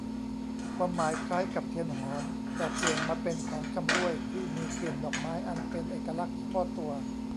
ความหมายคล้ายกับเทียนหอม แต่เปลี่ยนมาเป็นของชำร่วยที่มีกลิ่นดอกไม้อันเป็นเอกลักษณ์เฉพาะตัว